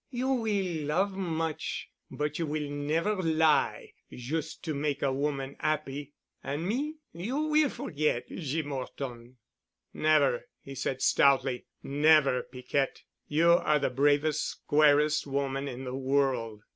You will love much, but you will never lie jus' to make a woman 'appy. And me—you will forget, Jeem 'Orton." "Never," he said stoutly, "never, Piquette. You're the bravest, squarest woman in the world."